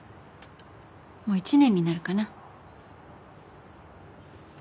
もう１年になるかな。